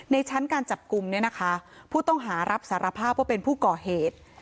ชั้นการจับกลุ่มเนี่ยนะคะผู้ต้องหารับสารภาพว่าเป็นผู้ก่อเหตุ